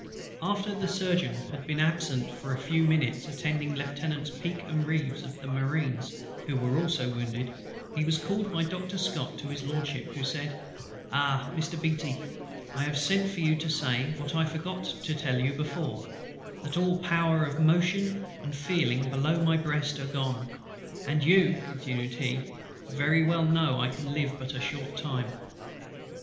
After the Surgeon had been absent a few minutes attending Lieutenants PEAKE and REEVES of the Marines, who were wounded, he was called by Doctor SCOTT to HIS LORDSHIP, who said: "Ah, Mr. BEATTY! I have sent for you to say, what I forgot to tell you before, that all power of motion and feeling below my breast are gone; and you" continued he, "very well know I can live but a short time."